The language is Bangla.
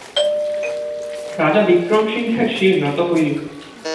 রাজা বিক্রমসিংহের শির নত হইল।